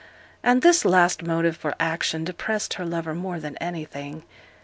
And this last motive for action depressed her lover more than anything.